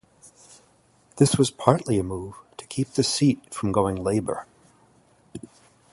This was partly a move to keep the seat from going Labour.